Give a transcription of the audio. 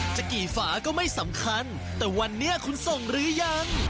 จะกี่ฝาก็ไม่สำคัญแต่วันนี้คุณส่งหรือยัง